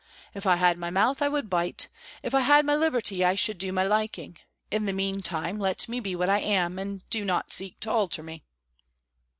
If I had my mouth I would bite, if I had my liberty I should do my liking; in the meantime let me be what I am, and do not seek to alter me."